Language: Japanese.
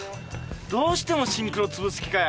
どうしてもシンクロつぶす気かよ。